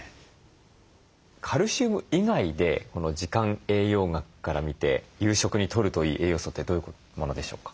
カルシウム以外で時間栄養学から見て夕食にとるといい栄養素ってどういうものでしょうか？